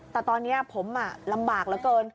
แต่ตอนนี้ผมลำบากเหลือเกิน